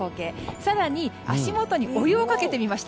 更に足元にお湯をかけてみました。